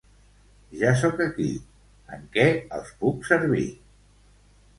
Ja soc aquí. En què els puc servir?